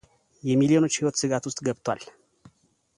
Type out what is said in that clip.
የሚሊዮኖች ህይወት ስጋት ውስጥ ገብቷል